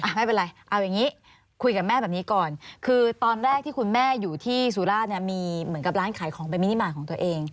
ไม่เป็นไรเอาอย่างนี้คุยกับแม่แบบนี้ก่อนคือตอนแรกที่คุณแม่อยู่ที่สุราชเนี่ยมีเหมือนกับร้านขายของเป็นมินิมาตรของตัวเอง